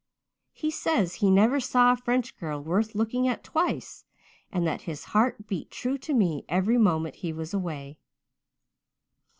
He says he never saw a French girl worth looking at twice and that his heart beat true to me every moment he was away."